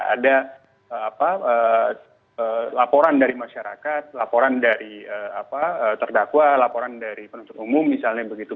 ada laporan dari masyarakat laporan dari terdakwa laporan dari penuntut umum misalnya begitu